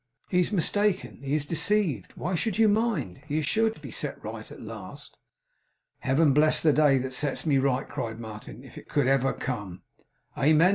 'He is mistaken. He is deceived. Why should you mind? He is sure to be set right at last.' 'Heaven bless the day that sets me right!' cried Martin, 'if it could ever come!' 'Amen!